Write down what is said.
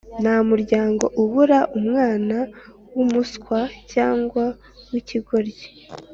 Nta muryango ubura umwana wumuswa cyangwa wikigoryi